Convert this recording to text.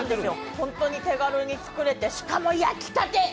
本当に手軽に作れてしかも焼きたて！